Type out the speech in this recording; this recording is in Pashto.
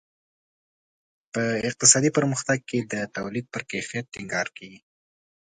په اقتصادي پرمختګ کې د تولید پر کیفیت ټینګار کیږي.